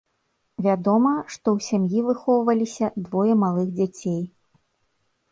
Вядома, што ў сям'і выхоўваліся двое малых дзяцей.